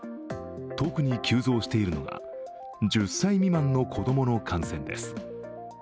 特に急増しているのが１０歳未満の子供の感染です。